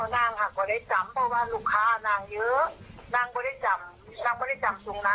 นักก็ได้จำตรงนั้น